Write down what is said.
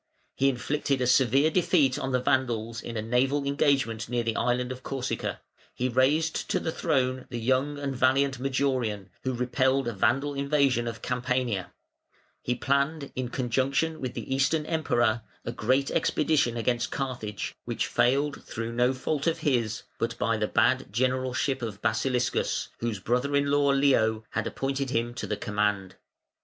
He inflicted a severe defeat on the Vandals in a naval engagement near the island of Corsica; he raised to the throne the young and valiant Majorian, who repelled a Vandal invasion of Campania; he planned, in conjunction with the Eastern Emperor, a great expedition against Carthage, which failed through no fault of his, but by the bad generalship of Basiliscus, whose brother in law, Leo, had appointed him to the command.